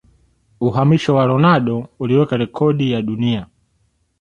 Uhamisho wa Ronaldo uliweka rekodi ya dunia